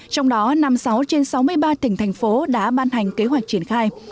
trong đó năm mươi sáu trên sáu mươi ba tỉnh thành phố đã ban hành kế hoạch triển khai